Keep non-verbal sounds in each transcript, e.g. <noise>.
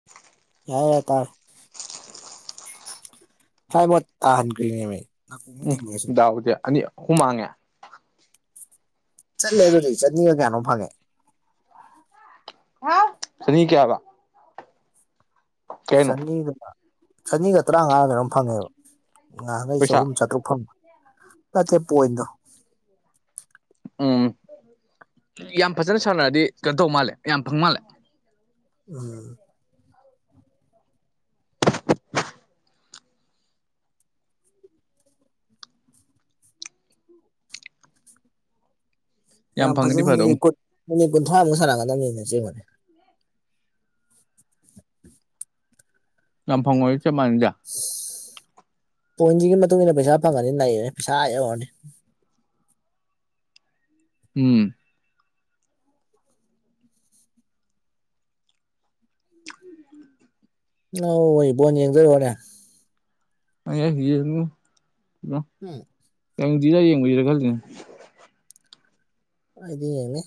<unintelligible> ꯌꯥꯏ ꯌꯥ ꯇꯔ ꯐꯥꯏꯕ <unintelligible> ꯎꯝꯗꯥꯎꯗꯦ ꯑꯅꯤ ꯍꯨꯃꯥꯡꯉꯦ ꯆꯠꯂꯦ ꯑꯗꯨꯗꯤ ꯆꯠꯅꯤꯒ ꯀꯌꯥꯅꯣ ꯐꯪꯉꯦ <unintelligible> ꯀꯦꯌꯥꯕ ꯆꯅꯤꯒ ꯆꯅꯤꯒ ꯇꯔꯥꯉꯥꯗꯔꯝ ꯐꯪꯉꯦꯕ ꯉꯍꯪꯡꯒꯩ ꯄꯩꯁꯥ ꯆꯍꯨꯝ ꯆꯥꯇ꯭ꯔꯨꯛ ꯐꯪꯕ <unintelligible> ꯄꯣꯏꯟꯗꯣ ꯎꯝ ꯌꯥꯝ ꯐꯖꯅ ꯁꯥꯟꯅꯔꯗꯤ ꯀꯩꯅꯣ ꯇꯧ ꯃꯥꯜꯂꯦ ꯌꯥꯝ ꯐꯪ ꯃꯥꯜꯂꯦ ꯎꯝ ꯌꯥꯝ ꯐꯪꯉꯗꯤ ꯐꯖꯅ ꯐꯗꯧꯅꯤ ꯃꯤꯅꯤꯠ ꯀꯨꯟ ꯃꯤꯅꯤꯠ ꯀꯨꯟꯊ꯭ꯔꯥꯃꯨꯛ ꯁ ꯁꯥꯔꯛꯒꯗꯕꯅꯤꯅ ꯆꯦꯡꯕꯅꯦ ꯌꯥꯝꯐꯪ ꯑꯣꯏ ꯆꯞ ꯃꯥꯟꯅꯩꯗ ꯕ‌ꯣꯟꯁꯤꯒꯤ ꯃꯇꯨꯡꯏꯟꯅ ꯄꯩꯁꯥ ꯐꯪꯉꯗꯤ ꯅꯩꯔ‌ꯣ ꯄꯩꯁꯥ ꯑꯑ ꯌꯩꯔꯅꯤ ꯎꯝ ꯑꯪ ꯋꯣꯏ ꯕꯣꯟ ꯌꯦꯡꯗ‌ꯣꯏꯑ‌ꯣꯏꯔ‌ꯦ <unintelligible> ꯎꯝ <unintelligible> ꯑ‌ꯩꯗꯤ ꯌꯦꯡꯅꯤ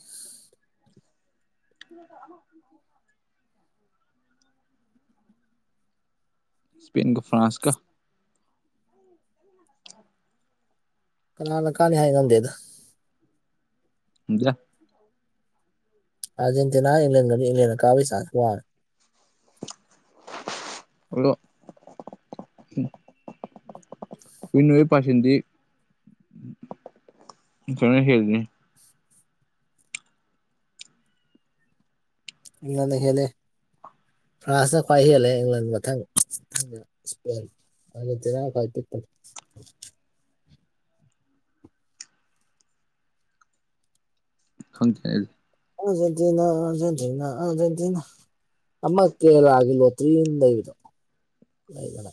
<unintelligible> ꯁꯄꯦꯟꯒ ꯐ꯭ꯔꯥꯟꯁꯀ ꯀꯅꯥꯅ ꯀꯥꯟꯅꯤ ꯍꯥꯏ ꯉꯝꯗꯦꯗ <unintelligible> ꯑꯔꯖꯦꯟꯇꯤꯅꯥ ꯏꯪꯂ ꯏꯪꯂꯜꯅ ꯀꯥꯕꯩ ꯆꯥꯖ ꯍꯜꯂꯣ ꯑꯝ ꯋꯤꯟ ꯑꯣꯏꯕꯩ ꯄꯔꯁꯦꯟꯗꯤ ꯖꯨꯔꯜꯒꯈꯦꯅꯤ ꯅ ꯍꯦꯜꯂꯦ ꯐ꯭ꯔꯥꯟꯁꯅ ꯈ꯭ꯋꯥꯏ ꯍꯦꯜꯂꯦ ꯏꯪꯪꯂ ꯃꯊꯪ ꯁꯄ ꯍ ꯆꯅꯥ ꯀꯥꯏꯄꯤ ꯇ ꯈꯪꯗꯦꯅꯦ ꯑꯗꯨ ꯑꯥꯔꯖꯦꯟꯇꯤꯅꯥ ꯑꯥꯔꯖꯦꯟꯇꯤꯅꯥ ꯑꯥꯔꯖꯦꯟꯇꯤꯅꯥ ꯑꯥꯔꯖꯦꯟꯇꯤꯅꯥ ꯑꯃ ꯀꯦꯔꯂꯒꯤ ꯂ‌ꯣ ꯇꯔꯤꯟ ꯂꯩꯕꯗ‌ꯣ ꯂꯩꯗꯅ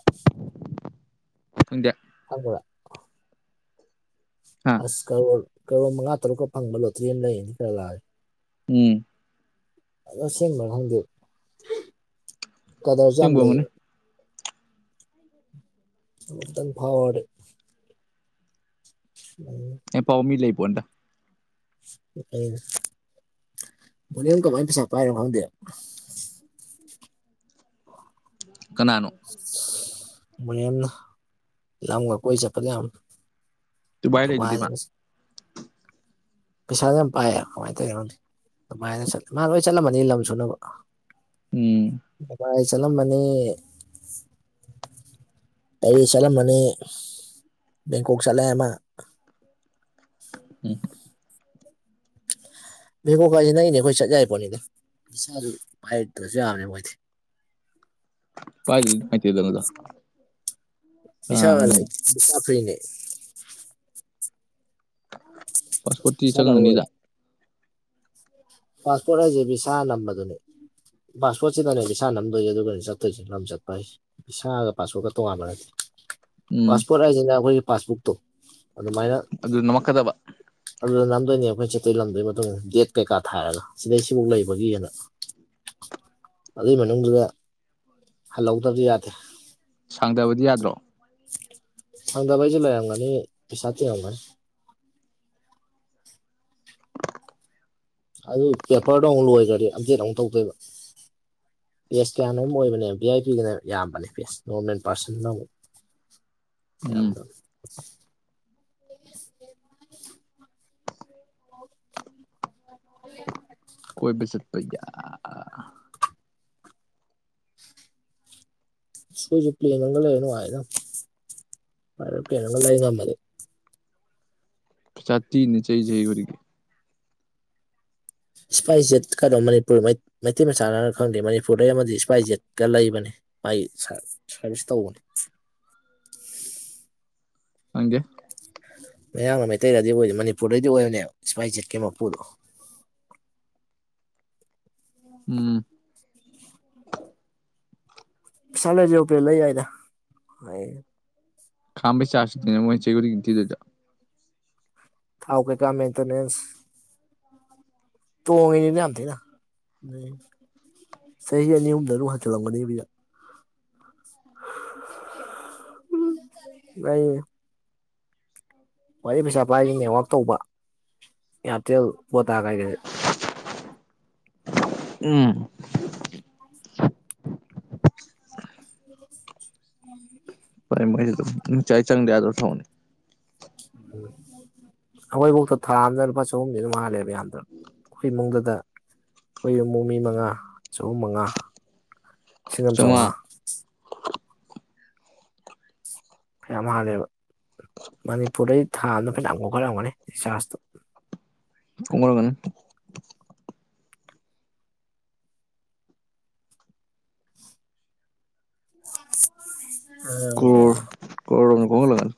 ꯈꯪꯗꯦ ꯈꯪꯕ꯭ꯔ ꯍꯥ ꯑꯁ ꯀꯔꯣꯔ ꯀꯔꯣꯔ ꯃꯉꯥ ꯇꯔꯨꯛꯀ ꯐꯪꯕ ꯂꯣꯇ꯭ꯔꯤ ꯑꯃ ꯂꯩꯔꯤꯗꯤ ꯈꯔ ꯂꯥꯛꯑꯦ ꯎꯝ ꯑꯁꯦꯡꯕꯅ ꯈꯪꯗꯦꯕ ꯀꯂꯔꯁꯨ ꯌꯥꯝ ꯁꯦꯡꯕ ꯑꯣꯏꯔꯝꯒꯅꯤ ꯂꯩꯌꯦꯕ ꯅꯣꯡꯃꯇꯪ ꯐꯥꯎꯔꯗꯤ ꯎꯝ ꯑꯦ ꯄꯥꯎ ꯃꯤ ꯂꯩꯕꯣꯟꯗ ꯕꯣꯅꯤꯝ ꯀꯃꯥꯏꯅ ꯄꯩꯁꯥ ꯄꯥꯏꯔꯣ ꯈꯪꯗꯦꯕ ꯀꯅꯥꯅꯣ ꯕꯣꯅꯤꯌꯝ ꯗꯣ ꯂꯝꯒ ꯀꯣꯏ ꯆꯠꯄꯅꯦ ꯌꯥꯝ ꯗꯨꯕꯥꯏ ꯂꯩꯗꯨꯗꯤ ꯃꯥ ꯗꯨꯕꯥꯏꯒ ꯄꯩꯁꯥꯁꯨ ꯌꯥꯝ ꯄꯥꯏꯌꯦꯕ ꯀꯃꯥꯏꯅ ꯇꯧꯋꯔꯣꯝ ꯑꯗꯨꯃꯥꯏꯅ ꯆꯠꯂ ꯃꯥ ꯂꯣꯏ ꯆꯠꯂꯝꯃꯅꯤ ꯂꯝ ꯁꯨꯅꯕ ꯎꯝ ꯗꯨꯕꯥꯏ ꯆꯠꯂꯝꯃꯅꯤ ꯑꯩ ꯆꯠꯂꯝꯃꯅꯤ ꯕꯦꯡꯀꯣꯛ ꯆꯠꯂꯦ ꯑꯃ ꯎꯝ ꯚꯦꯕꯣꯀꯥꯏꯁꯤꯅ ꯑꯩꯅꯦ ꯑꯩꯈꯣꯏ ꯆꯠ ꯌꯥꯏ ꯄꯣꯠꯅꯤꯅꯦ ꯏꯁꯁꯥꯁꯨ ꯄꯥꯏꯔꯗ꯭ꯔꯁꯨ ꯌꯥꯝꯅꯦ ꯃꯣꯏꯗꯤ ꯄꯥꯏꯗꯗꯤ ꯅꯨꯡꯉꯥꯏꯇ‌ꯦꯗ ꯃꯗꯨ <unintelligible> ꯐꯔꯤꯅꯦ ꯄꯁ ꯐꯇꯤ ꯚꯤꯁꯥ ꯂꯧꯔꯣꯏ ꯆꯪꯅꯤꯗ ꯄꯥꯁꯄꯣꯔꯠ ꯍꯥꯏꯁꯦ ꯕꯤꯁꯥ ꯅꯝꯕꯗꯨꯅꯦ ꯄꯥꯁꯄꯣꯔꯠꯁꯤꯗꯅꯦ ꯕꯤꯁꯥ ꯅꯝꯗꯣꯏꯁꯦ ꯑꯗꯨꯒꯅꯦ ꯆꯠꯇꯣꯏꯁꯤꯅ ꯂꯝ ꯆꯠꯄ ꯍꯥꯏꯁꯦ ꯕꯤꯁꯥꯒ ꯄꯥꯁꯄꯣꯠꯒ ꯇ‌ꯣꯉꯥꯟꯕ ꯅꯠꯇꯦ ꯎꯝ ꯄꯥꯁꯄꯣꯔꯠ ꯍꯥꯏꯁꯤꯅ ꯑꯩꯈꯣꯏꯒꯤ ꯄꯥꯁꯕꯨꯛꯇꯣ ꯑꯗꯨꯃꯥꯏꯅ ꯑꯗꯨ ꯅꯝꯃꯛꯀꯗꯕ ꯑꯗꯨꯗ ꯅꯝꯗꯣꯏꯅꯦ ꯑꯩꯈꯣꯏ ꯆꯠꯇ‌ꯣꯏ ꯂꯝꯗꯨꯏ ꯃꯇꯨꯡ ꯏꯟꯅ ꯗꯦꯠ ꯀꯩꯀꯥ ꯊꯥꯔꯒ ꯁꯤꯗꯩ ꯁꯤꯐꯥꯎ ꯂꯩꯕꯒꯤꯅ ꯑꯗꯨꯏ ꯃꯅꯨꯡꯗꯨꯗ ꯍꯜꯍꯧꯗꯕꯗꯤ ꯌꯥꯗꯦ ꯁꯥꯡꯗꯕꯗꯤ ꯌꯥꯗ꯭ꯔꯣ ꯍꯟꯗꯕꯩꯁꯨ ꯂꯩꯔꯝꯒꯅꯤ ꯄꯩꯁ ꯇꯤꯡꯉꯝ ꯒꯅꯤ ꯑꯗꯨ ꯄꯦꯄꯔꯗꯣ ꯑꯃꯨꯛ ꯂꯣꯏꯈ꯭ꯔꯗꯤ ꯑꯝꯗꯦꯠ ꯑꯃꯨꯛ ꯇꯧꯗꯣꯏꯕ ꯄꯦꯁ ꯀꯌꯥꯅꯣꯝ ꯑꯣꯏꯕꯅꯦꯕ ꯚꯤ ꯑꯥꯏ ꯄꯤ ꯒꯤꯅ ꯌꯥꯝꯕꯅꯦ ꯄꯦꯁ ꯅꯣꯔꯃꯦꯜ ꯄꯥꯔꯁꯟ ꯒꯤꯅ ꯑꯃꯨꯛ ꯎꯝ ꯌꯥꯝꯗ ꯀꯣꯏꯕ ꯆꯠꯄ ꯌꯥ ꯁꯣꯏꯁꯨꯦ ꯄ꯭ꯂꯦꯒ ꯂꯩꯅꯅꯨꯡ ꯍꯥꯏ ꯅ ꯄ꯭ꯂꯦꯅꯒ ꯂꯩ ꯉꯝꯃꯗꯤ ꯆꯥꯇꯤꯅꯤ ꯆꯩ ꯆꯩ ꯈꯨꯗꯤꯡꯒꯤ ꯏꯁꯄꯥꯏꯁ ꯖꯦꯠ ꯀꯥꯗꯣ ꯃꯅꯤꯄꯨꯔ ꯃꯩ ꯃꯩꯇꯩ ꯃꯆꯥꯅꯅ ꯈꯪꯗꯦ ꯃꯅꯤꯄꯨꯔꯗ ꯑꯃꯗꯤ ꯏꯁꯄꯥꯏꯁ ꯖꯦꯠꯀ ꯂꯩꯕꯅꯤ ꯃꯥꯒꯤ ꯁꯥꯔꯕꯤꯁ ꯇꯧꯕꯅꯦ ꯈꯪꯗꯦ ꯃꯌꯥꯝꯅ ꯃꯩꯇꯩꯗꯗꯤ ꯑꯣꯏ ꯃꯅꯤꯄꯨꯔꯗꯩꯗꯤ ꯑꯣꯏꯕꯅꯦꯕ ꯏꯁꯄꯥꯏꯁ ꯖꯤꯠꯀꯤ ꯃꯄꯨꯗꯣ ꯎꯝ <unintelligible> ꯂꯩ ꯌꯥꯏꯗ ꯈꯝꯕꯩ ꯆꯥꯔꯁ ꯇꯨꯅꯦ ꯃꯣꯏ ꯆꯌꯣꯜꯒꯤ ꯊꯤꯗꯣꯏꯗꯣ ꯊꯧꯎ ꯀꯩꯀꯥ ꯃꯦꯟꯇꯦꯅꯦꯟꯁ ꯇꯣꯡꯉꯤꯅꯤꯗ ꯌꯥꯝ ꯊꯤꯅ ꯅꯣꯏ ꯆꯍꯤ ꯑꯅꯤ ꯑꯍꯨꯝꯗ ꯑꯗꯨꯛ ꯍꯟꯖꯤꯜꯂꯝꯒꯅꯤ <unintelligible> ꯉꯩ ꯈꯋ꯭ꯥꯏꯗꯩꯩ ꯄꯩꯁꯥ ꯄꯥꯏꯔꯤ ꯅꯦꯠꯋꯥꯛ ꯇꯧꯕ ꯏꯌꯥꯔꯇꯦꯜ ꯕꯣꯇꯥ ꯒꯥꯏꯁꯦ ꯎꯝ <unintelligible> ꯍꯣꯏ ꯃꯣꯏꯗꯤ ꯑꯗꯨꯝ ꯅꯨꯡꯆꯥꯏ ꯆꯪꯗ ꯌꯥꯗꯕ ꯁꯨꯝ ꯎꯝ ꯑꯩꯈꯣꯏꯕꯥꯎꯇ ꯊꯥ ꯑꯃꯗ ꯂꯨꯄꯥ ꯆꯍꯨꯝꯗꯤ ꯑꯗꯨꯝ ꯍꯟꯂꯦꯕ ꯌꯥꯝꯗ꯭ꯔꯕꯗ ꯑꯩꯈꯣꯏ ꯏꯃꯨꯡꯗꯗ ꯑꯩꯈꯣꯏ ꯏꯃꯨꯡ ꯃꯤ ꯃꯉꯥ ꯆꯍꯨꯝ ꯃꯉꯥ ꯂꯤꯁꯤꯡ ꯑꯃ ꯆꯧꯉꯥ ꯐꯅꯌꯥꯝ ꯍꯜꯂꯦꯕ ꯃꯅꯤꯄꯨꯔꯗꯩ ꯊꯥ ꯑꯃꯥꯗ ꯐꯅꯌꯥꯝ ꯀꯣꯠꯈꯠꯂꯝꯒꯅꯤ ꯔꯤꯆꯥꯔꯖꯇ ꯈꯣꯝꯒꯠꯂꯝꯒꯅꯤ <unintelligible> ꯀꯣꯔ ꯀꯣꯔ ꯒꯨꯝꯕꯥ ꯈꯣꯝꯒꯠꯂꯝꯒꯅꯤ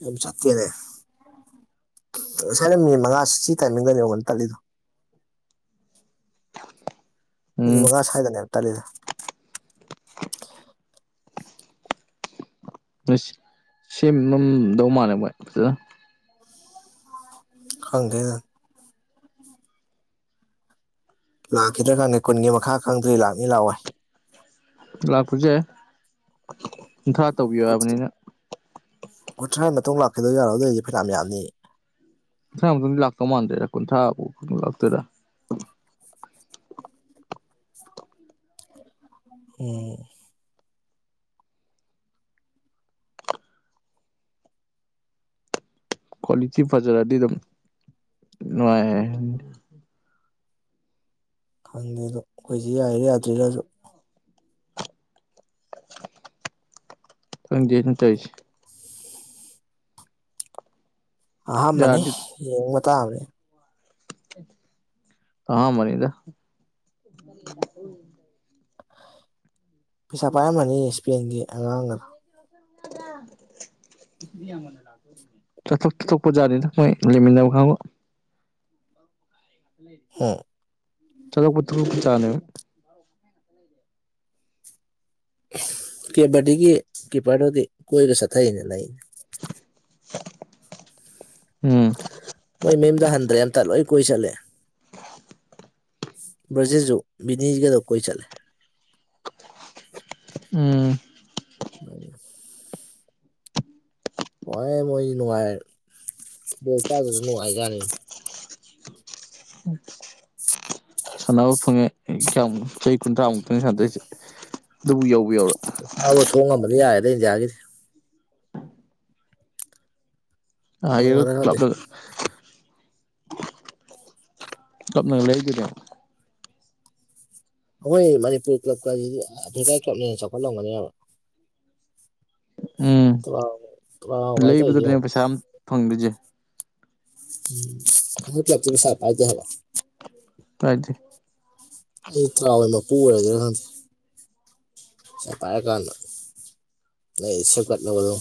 ꯌꯨꯝ ꯆꯠꯇꯔꯦ ꯑꯁ ꯉꯁꯥꯏꯅ ꯃꯤꯅꯤꯠ ꯃꯉꯥ ꯁꯤ ꯇꯥꯏꯃꯤꯡꯗꯅꯤꯕ ꯀꯣꯜ ꯇꯠꯂꯤꯗꯣ ꯃꯤꯅꯤꯠ ꯎꯝ ꯃꯉꯥ ꯁꯥꯏꯗꯅꯦꯕ ꯇꯜꯂꯤꯗ ꯁꯦꯝꯃꯝꯗꯧ ꯃꯥꯜꯂꯦ ꯃꯣꯏ ꯈꯪꯗꯦ ꯂꯥꯛꯈꯤꯗ꯭ꯔꯥ ꯈꯪꯗꯦ ꯀꯨꯟꯒꯤ ꯃꯈꯥ ꯈꯪꯗ꯭ꯔꯤ ꯂꯥꯛꯅꯤ ꯂꯥꯛꯑꯣꯏ ꯂꯥꯛꯄꯁꯨ ꯌꯥꯏ ꯀꯨꯟꯊ꯭ꯔꯥ ꯇꯧꯕꯤꯌꯣ ꯍꯥꯏꯕꯅꯤꯅ ꯀꯨꯟꯊꯔꯥ ꯃꯇꯨꯡ ꯂꯥꯛꯈꯤꯗꯣꯏ ꯖꯠꯂꯣ ꯑꯗꯣꯏꯗꯤ ꯐꯅꯌꯥꯝ ꯌꯥꯝꯅꯤꯅꯦ ꯀꯨꯟꯊꯔꯥ ꯃꯇꯨꯡꯗꯤ ꯂꯥꯛꯇꯧ ꯃꯥꯟꯗꯔ꯭ꯦꯗ ꯀꯨꯟꯊꯔꯥ ꯐꯥꯎꯕ ꯂꯥꯛꯇꯣꯏꯔꯥ ꯎꯝ ꯀ꯭ꯋꯥꯂꯤꯇꯤ ꯐꯖꯔꯗꯤ ꯑꯗꯨꯝ ꯅꯨꯡꯉꯥꯏꯌꯦ ꯈꯪꯗꯦ ꯑꯗꯣ ꯑꯩꯈꯣꯏꯁꯦ ꯌꯥꯏꯔ ꯌꯥꯗ꯭ꯔꯤꯔꯁꯨ ꯈꯪꯗꯦꯅꯦ ꯇꯧꯏꯁꯦ ꯑꯍꯝꯕꯅꯤ ꯌꯥꯔꯗꯤ ꯌꯦꯡꯕ ꯇꯥꯕꯅꯦ ꯑꯍꯟꯕꯅꯤꯗ ꯎꯝ ꯌꯥꯏꯌꯦ ꯄꯩꯁꯥ ꯄꯥꯏꯔꯝꯃꯅꯤ ꯏꯁꯄꯦꯟꯒꯤ ꯑꯉꯥꯡꯒꯗ ꯗꯥ ꯆꯣꯛ ꯇꯣꯛꯄꯅꯤꯦꯅꯣꯏ ꯂꯦꯃꯤꯗꯕ ꯈꯕꯣ ꯂꯩ ꯍ ꯁꯖꯄꯇꯜ ꯄ ꯄꯨꯖꯥꯅ ꯑꯣꯏꯦ ꯀꯦꯕꯗꯤꯒꯤ ꯀꯤꯞꯄꯔꯗꯨꯗꯤ ꯀꯣꯏꯔ ꯆꯠꯊꯩꯅ ꯂꯩꯅꯦ ꯎꯝ ꯃꯣꯏ ꯃꯌꯨꯝꯗ ꯍꯟꯗ꯭ꯔꯦ ꯑꯝꯇ ꯂꯣꯏ ꯀꯣꯏ ꯆꯠꯂꯦ ꯕꯥꯔꯖꯤꯜ ꯁꯨ ꯕꯤꯅꯤꯁꯒꯔꯗ ꯀꯣꯏ ꯆꯠꯂꯦ ꯎꯝ <unintelligible> ꯅꯨꯡꯉꯥꯏ ꯃꯣꯏ ꯅꯨꯡꯉꯥꯏ <unintelligible> ꯀꯥꯗꯔꯁꯨ ꯅꯨꯡꯉꯥꯏ ꯖꯠꯅꯤ ꯁꯥꯟꯅꯕ ꯐꯪꯉꯦ ꯀꯌꯥꯝꯕꯨ ꯆꯍꯤ ꯀꯨꯟꯊ꯭ꯔꯥꯃꯨꯛꯇꯪꯅꯦ ꯁꯥꯟꯅꯥꯗꯣꯏꯁꯦ ꯑꯗꯨꯕꯨ ꯌꯧꯕꯨ ꯌꯧꯔꯛ ꯊꯣꯡꯉꯝꯕꯗꯤ ꯌꯥꯏꯔꯦꯗ ꯑꯩꯗꯤ ꯌꯥꯔꯅꯤ ꯑꯌꯨꯛ ꯉꯝꯒꯗ꯭ꯔ ꯈꯪꯗꯦ ꯇꯞꯅꯥ ꯇꯞꯅ ꯂꯩꯒꯤꯗ ꯑꯩꯈꯣꯏ ꯃꯅꯤꯄꯨꯔ ꯀ꯭ꯂꯕꯀꯁꯤꯗꯤ ꯑꯐꯔ꯭ꯤꯀꯥ ꯀ꯭ꯂꯕꯅ ꯍꯦꯟꯅ ꯆꯥꯎꯈꯠꯂꯝꯒꯅꯦꯕ ꯎꯝ ꯇ꯭ꯔꯥꯎꯒꯥꯏ ꯇꯧꯔꯤꯗꯣ ꯌꯦꯡꯉꯣ ꯂꯩꯕꯗꯨꯅꯦ ꯄꯩꯁꯥ ꯑꯃꯝ ꯐꯪꯗ꯭ꯣꯏꯁꯦ ꯎꯝ ꯍ ꯂꯇꯃꯤ ꯁꯔ ꯄꯥꯏꯗꯦ ꯍꯕ <unintelligible> ꯇꯗꯤ ꯑꯩ ꯇꯔꯥ ꯍꯋꯥꯏ ꯃꯄꯨ ꯑꯣꯏꯔꯗꯔꯥ ꯍꯪ ꯆ ꯄ ꯀꯥꯟꯁꯅꯣ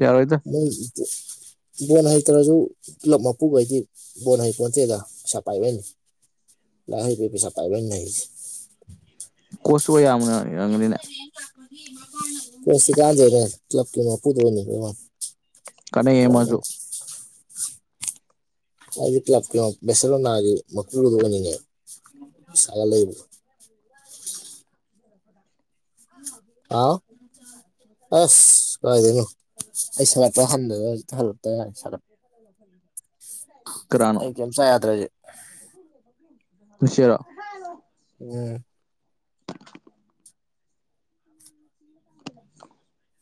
ꯌꯥꯌꯥꯔ ꯑꯣꯏꯗ ꯎ ꯕꯣꯣꯟ ꯍꯩꯇ꯭ꯔꯁꯨ ꯄꯨꯂꯞ ꯃꯄꯨꯈꯩꯗꯤ ꯕꯣꯜ ꯍꯩꯄꯣꯟꯇꯦꯗ ꯄꯩꯁꯥ ꯄꯥꯏꯕꯩꯅꯤ ꯂꯥꯛ ꯍꯕꯤ ꯄꯩꯁꯥ ꯄꯥꯏꯕꯅꯦ ꯀꯁꯨ ꯀꯣ ꯌꯥ ꯑꯅ ꯄꯁ ꯀꯥꯖ ꯂꯞꯀꯤꯄꯨꯗꯅꯤ ꯀ ꯀꯅꯤ ꯑꯦꯃꯁꯨ ꯑꯩꯗꯤ ꯀ꯭ꯂꯕꯀꯤ ꯕꯦꯁꯂꯣꯅꯥꯒꯤ ꯃꯨꯗ ꯑꯣꯏꯅꯤꯅꯦ ꯏꯁꯥꯒ ꯂꯩꯕ <inaudible> <inaudible> ꯑꯥꯎ ꯑꯦꯁ ꯀꯗꯅꯨ ꯑꯩ ꯁꯥꯒꯠꯄ ꯍꯟꯗꯗꯅ ꯍꯧꯖꯤꯛꯇ ꯍꯜꯂꯄ ꯌꯥꯔꯦ ꯁꯥꯒꯠꯄ ꯑꯩ ꯀꯦꯝꯁ ꯌꯥꯗ꯭ꯔꯖꯤꯦ ꯇꯁꯤꯔ ꯎꯝ <inaudible>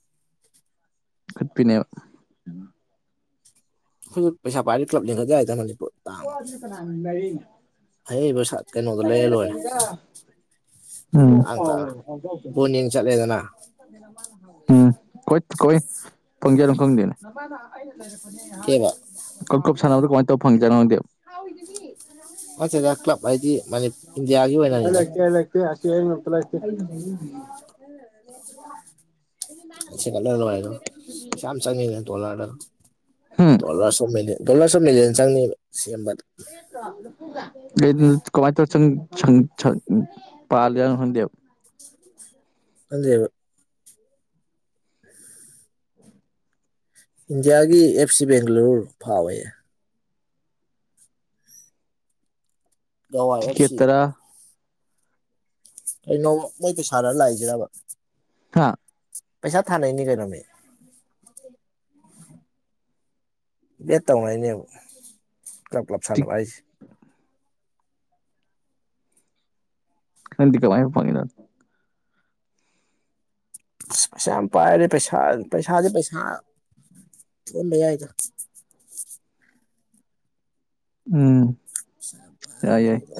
ꯈꯠꯄꯤꯅꯦ ꯍꯧꯖꯤꯛ ꯄꯩꯁꯥ ꯄꯥꯏꯔꯦ ꯀ꯭ꯂꯕ ꯂꯤꯡꯒꯗ ꯌꯥ ꯍꯥꯏꯦ ꯃꯅꯤꯄꯨꯔ ꯇꯥꯡꯕ ꯑꯍꯩꯕ ꯁꯥ ꯀꯩꯅꯣꯗꯣ ꯂꯩꯔ ꯂꯣꯏꯔꯦ ꯀꯅꯗ ꯍ ꯍ ꯍ ꯍ ꯄꯣꯟ ꯌꯦꯡ ꯆꯠꯂꯦꯗꯅ ꯎꯝꯣꯏ ꯀꯣꯏ ꯐꯪꯖ ꯑꯗꯨꯝ ꯈꯪꯗꯦꯅꯦ ꯀꯦꯕ ꯀꯣꯏ ꯀꯞ ꯁꯥꯟꯅꯕꯅꯣ ꯀꯃꯥꯏꯅ ꯇꯧꯕ ꯐꯪꯉ ꯆꯦꯠꯅ ꯈꯪꯗꯦꯕ ꯅꯠꯇꯦꯗ ꯀ꯭ꯂꯕ ꯍꯥꯏꯗꯤ ꯃꯅꯤ ꯏꯟꯗꯤꯌꯥꯒꯤ ꯑꯣꯏꯅꯅꯤꯗ ꯑꯂꯒ ꯑꯂꯒ ꯍꯥꯁꯤ ꯌꯥꯛꯇꯂꯦ ꯀꯂꯔ ꯂꯅꯨꯡ ꯌꯥꯝ ꯆꯪꯉꯅꯦ ꯍꯝ ꯗꯣꯂꯗꯔ <unintelligible> ꯀꯩꯅꯣ ꯀꯃꯥꯏ ꯇꯣ ꯆꯪꯪ ꯄꯥꯔ ꯍꯪꯗ ꯈꯪꯗ꯭ꯔꯦꯗ ꯏꯟꯗꯤꯌꯥꯒꯤ ꯑꯦꯞ ꯁꯤ ꯕꯦꯡꯒꯂꯨꯔ ꯐꯥꯎꯋꯦ ꯥꯎꯏ ꯑꯦꯞ ꯇꯤꯛꯀꯦꯠ ꯁꯤ ꯇꯔꯥ ꯀꯩꯅꯣꯃ ꯃꯣꯏ ꯄꯩꯁꯥꯗ ꯂꯥꯛꯏꯁꯤꯔꯕ ꯍꯥ ꯄꯩꯁꯥ ꯊꯥꯅꯩꯅꯤ ꯀꯩꯅꯣ ꯃꯤ ꯕꯦꯠ ꯇꯧꯅꯥꯏꯅꯦꯕ ꯀ꯭ꯂꯞ ꯀ꯭ꯂꯞ ꯁꯥꯟꯅꯕ ꯍꯥꯏꯁꯦ ꯅꯪꯗꯤ ꯀꯃꯥꯏ ꯐꯪꯏꯕ ꯑ ꯄꯩꯁꯥ ꯌꯥꯝ ꯄꯥꯏꯔꯦ ꯄꯩꯁꯥ ꯄꯩꯁꯥꯁꯦ ꯄꯩꯁꯥ ꯑꯣꯟꯕ ꯌꯥꯏꯗ ꯎꯝ ꯆꯄ ꯌꯥꯏ ꯌꯥꯏ ꯑꯗꯨꯣ